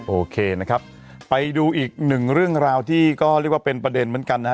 โอเคนะครับไปดูอีกหนึ่งเรื่องราวที่ก็เรียกว่าเป็นประเด็นเหมือนกันนะฮะ